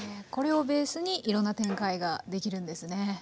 これをベースにいろんな展開ができるんですね。